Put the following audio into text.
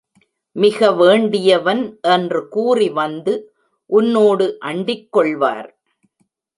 மிக வேண்டியவன் என்று கூறி வந்து உன்னோடு அண்டிக்கொள்வார்.